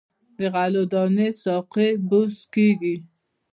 د غلو دانو ساقې بوس کیږي.